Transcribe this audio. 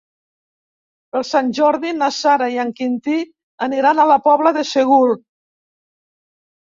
Per Sant Jordi na Sara i en Quintí aniran a la Pobla de Segur.